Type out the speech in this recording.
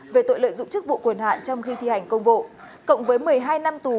về tội lợi dụng chức vụ quyền hạn trong khi thi hành công vụ cộng với một mươi hai năm tù